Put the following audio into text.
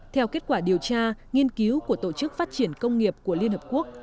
theo kết quả điều tra nghiên cứu của tổ chức phát triển công nghiệp của liên hợp quốc